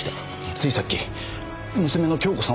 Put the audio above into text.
ついさっき娘の亨子さん